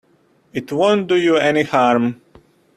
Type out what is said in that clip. It won't do you any harm.